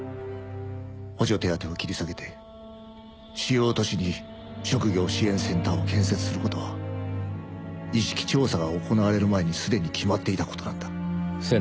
補助手当を切り下げて主要都市に職業支援センターを建設する事は意識調査が行われる前にすでに決まっていた事なんだ。